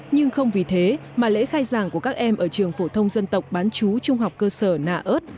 nhưng không vì thế mà lễ khai giảng của các em ở trường phổ thông dân tộc bán chú trung học cơ sở nà ớt